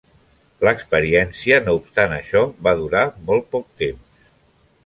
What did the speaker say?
L'experiència, no obstant això, va durar molt poc temps.